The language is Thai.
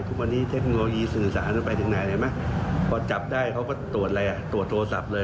ทุกวันนี้เทคโนโลยีสื่อสารมันไปถึงไหนพอจับได้เขาก็ตรวจโทรศัพท์เลย